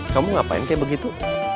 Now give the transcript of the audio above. kamu ngapain kayak begitu